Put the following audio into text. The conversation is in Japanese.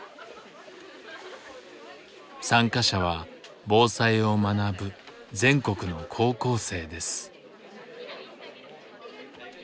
参加者は防災を学ぶ全国の高校生です。